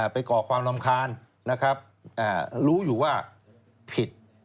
ไปก่อความลำคาญรู้อยู่ว่าผิด